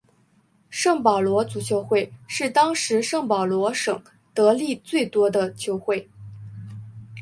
圣保罗足球会是当时圣保罗省得利最多的球会。